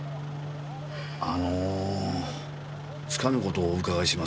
あのつかぬ事をお伺いします。